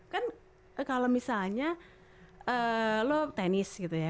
kan kalo misalnya lo tenis gitu ya